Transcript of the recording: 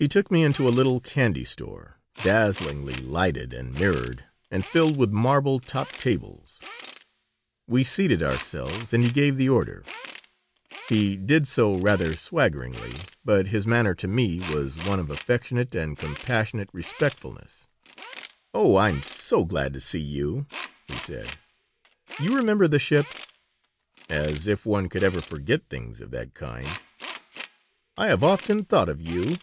He took me into a little candy store, dazzlingly lighted and mirrored and filled with marble topped tables We seated ourselves and he gave the order. He did so rather swaggeringly, but his manner to me was one of affectionate and compassionate respectfulness "Oh, I am so glad to see you," he said. "You remember the ship?" "As if one could ever forget things of that kind." "I have often thought of you.